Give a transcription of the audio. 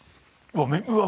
うわ！